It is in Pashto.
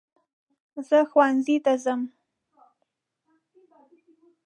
زه ښونځي ته ځم.